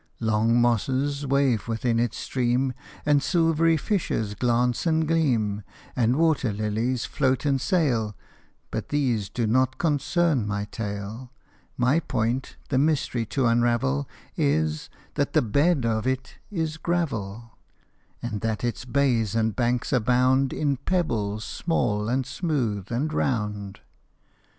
Long mosses wave within its stream, And silvery fishes glance and gleam, And water lilies float and sail. But these do not concern my tale. My point, the mystery to unravel, Is, that the bed of it is gravel, And that its bays and banks abound In pebbles small, and smooth, and round.